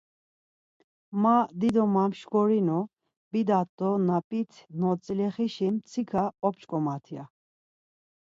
Ma dido mamşkorinu, bidat do na p̌it notzilexişi mtsika op̌ç̌ǩomat ya.